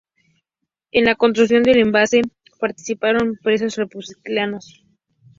En la construcción del embalse participaron presos republicanos.